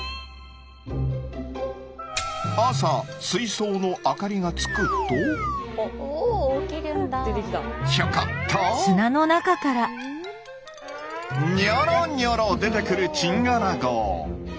朝水槽の明かりがつくとひょこっとにょろにょろ出てくるチンアナゴ！